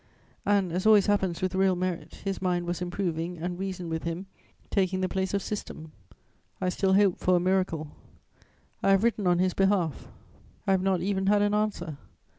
And, as always happens with real merit, his mind was improving and reason, with him, taking the place of system: I still hope for a miracle. I have written on his behalf; I have not even had an answer.